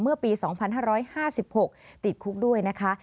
เมื่อปี๒๕๕๖ติดคุกด้วยนะคะ